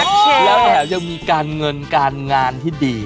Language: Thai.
แล้วแถมยังมีการเงินการงานที่ดี